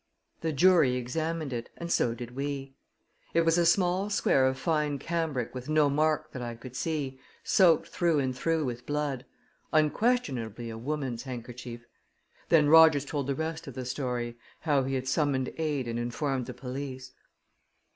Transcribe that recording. The jury examined it and so did we. It was a small square of fine cambric with no mark that I could see, soaked through and through with blood unquestionably a woman's handkerchief. Then Rogers told the rest of the story how he had summoned aid and informed the police.